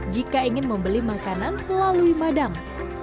jika ingin membeli makanan melalui madang